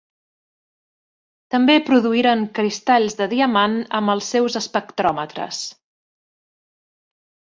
També produïren cristalls de diamant amb els seus espectròmetres.